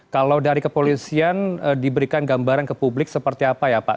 kalau dari kepolisian diberikan gambaran ke publik seperti apa ya pak